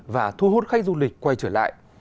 và thu hút khách du lịch quay trở lại